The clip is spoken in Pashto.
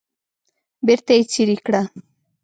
بیرته یې څیرې کړه.